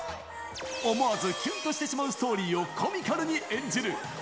思わずきゅんとしてしまうストーリーをコミカルに演じる。